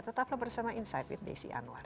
tetaplah bersama insight with desi anwar